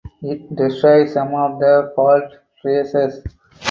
It destroys some of the fault traces.